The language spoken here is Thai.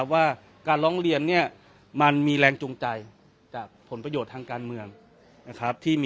ว่าการร้องเรียนมันมีแรงจุงใจจากผลประโยชน์ทางการเมือง